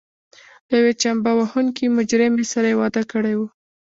له یوې چمبه وهونکې مجرمې سره یې واده کړی و.